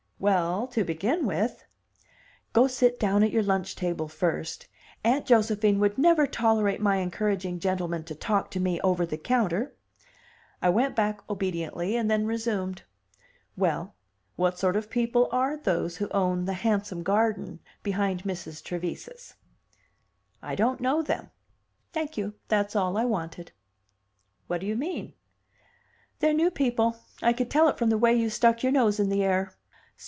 "Well, to begin with " "Go sit down at your lunch table first. Aunt Josephine would never tolerate my encouraging gentlemen to talk to me over the counter." I went back obediently, and then resumed: "Well, what sort of people are those who own the handsome garden behind Mrs. Trevise's!" "I don't know them." "Thank you; that's all I wanted." "What do you mean?" "They're new people. I could tell it from the way you stuck your nose in the air."